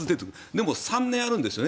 でも３年あるんですよね